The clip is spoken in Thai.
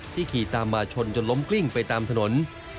ขี่ตามมาชนจนล้มกลิ้งไปตามถนน